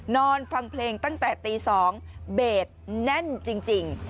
นอนฟังเพลงตั้งแต่ตี๒เบสแน่นจริง